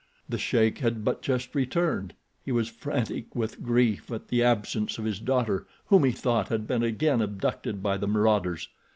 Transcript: The sheik had but just returned. He was frantic with grief at the absence of his daughter, whom he thought had been again abducted by the marauders.